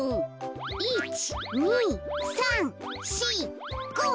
１２３４５！